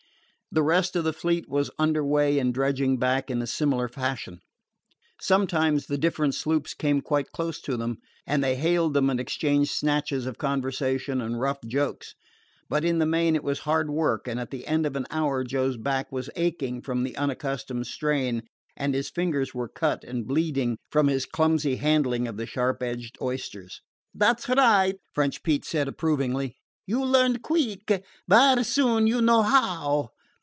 The rest of the fleet was under way and dredging back in similar fashion. Sometimes the different sloops came quite close to them, and they hailed them and exchanged snatches of conversation and rough jokes. But in the main it was hard work, and at the end of an hour Joe's back was aching from the unaccustomed strain, and his fingers were cut and bleeding from his clumsy handling of the sharp edged oysters. "Dat 's right," French Pete said approvingly. "You learn queeck. Vaire soon you know how."